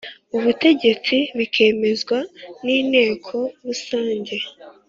Ubutegetsi bikemezwa n Inteko Rusange